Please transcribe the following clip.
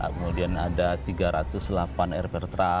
kemudian ada tiga ratus delapan r pertra